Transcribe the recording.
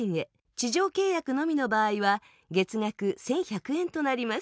地上契約のみの場合は月額１１００円となります。